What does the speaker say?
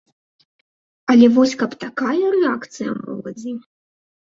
Але вось каб такая рэакцыя моладзі!?